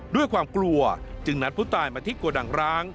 ด้วยความกลัวจึงนัดผู้ตายมาที่โกดังร้าง